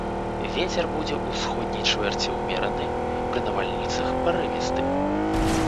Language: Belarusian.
Вецер будзе ўсходняй чвэрці ўмераны, пры навальніцах парывісты.